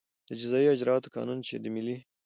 د جزایي اجراآتو قانون چې د ملي